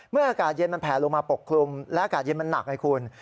เมื่ออากาศเย็นแผลลงมาปกกลุ่มและอากาศเย็นหนักไหมคุณ